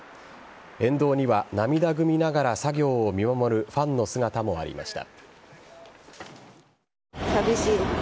沿道には、涙ぐみながら作業を見守るファンの姿もありました。